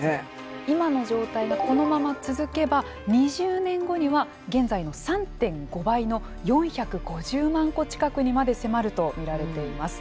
今の状態がこのまま続けば２０年後には現在の３．５倍の４５０万戸近くにまで迫ると見られています。